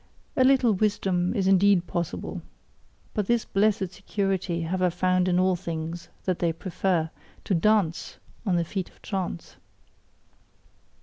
A little wisdom is indeed possible; but this blessed security have I found in all things, that they prefer to dance on the feet of chance.